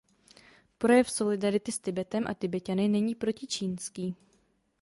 Projev solidarity s Tibetem a Tibeťany není protičínský.